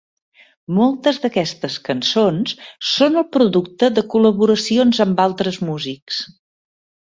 Moltes d'aquestes cançons són el producte de col·laboracions amb altres músics.